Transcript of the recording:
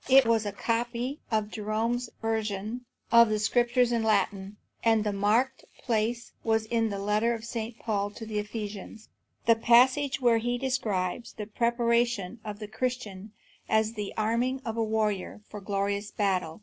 It was a copy of Jerome's version of the Scriptures in Latin, and the marked place was in the letter of St. Paul to the Ephesians, the passage where he describes the preparation of the Christian as the arming of a warrior for glorious battle.